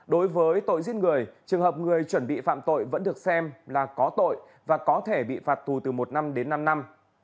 đối với tội giết người trường hợp người chuẩn bị phạm tội vẫn được xem là có tội và có thể bị phạt tù từ một năm đến năm năm